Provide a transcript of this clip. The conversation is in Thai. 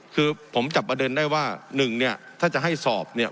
คือผมจับประเด็นได้ว่าหนึ่งเนี่ยถ้าจะให้สอบเนี่ย